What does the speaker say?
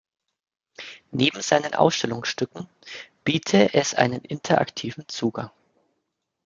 Neben seinen Ausstellungsstücken biete es einen interaktiven Zugang.